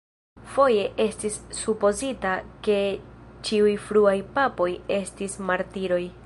Foje estis supozita ke ĉiuj fruaj papoj estis martiroj.